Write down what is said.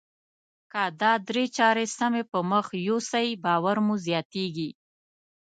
که دا درې چارې سمې پر مخ يوسئ باور مو زیاتیږي.